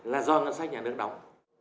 là do ngân sách nhà nước đóng